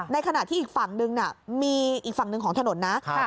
ในขณะที่อีกฝั่งนึงมีอีกฝั่งหนึ่งของถนนนะ